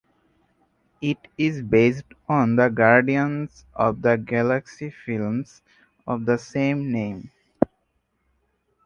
It is based on the Guardians of the Galaxy films of the same name.